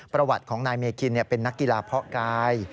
ประวัติของนายเมคินเป็นนักกีฬาเพาะกาย